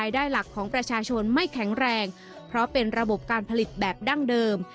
ได้หลักของประชาชนไม่แข็งแรงเพราะเป็นระบบการผลิตแบบดั้งเดิม